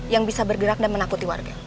yang bisa bergerak dan menakuti warga